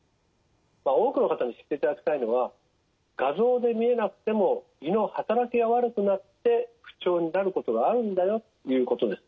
多くの方に知っていただきたいのは画像で見えなくても胃のはたらきが悪くなって不調になることがあるんだよということです。